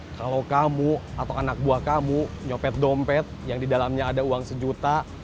kalau kamu atau anak buah kamu nyopet dompet yang di dalamnya ada uang sejuta